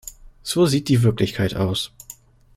So sieht die Wirklichkeit aus!